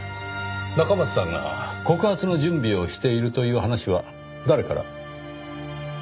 中松さんが告発の準備をしているという話は誰から？